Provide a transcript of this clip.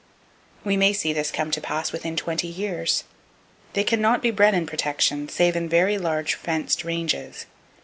We may see this come to pass within twenty years. They can not be bred in protection, save in very large fenced ranges.